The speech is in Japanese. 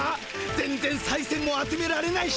全然さいせんも集められないし。